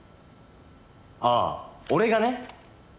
ああ俺がね？